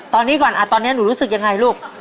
ตอนนี้หนูรู้สึกยังไงลูก